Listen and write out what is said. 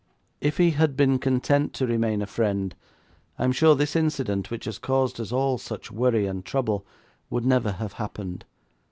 If he had been content to remain a friend, I am sure this incident, which has caused us all such worry and trouble, would never have happened.